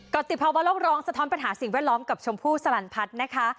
ก็ติดภาวะโลกร้องสะท้อนปัญหาสิ่งแวดล้อมกับชมพู่สลันพัฒน์นะคะ